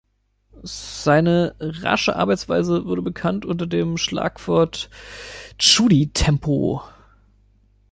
Seine rasche Arbeitsweise wurde bekannt unter dem Schlagwort «Tschudi-Tempo».